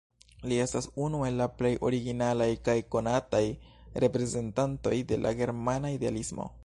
Li estas unu el la plej originalaj kaj konataj reprezentantoj de la germana idealismo.